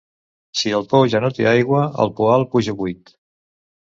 Si el pou ja no té aigua, el poal puja buit.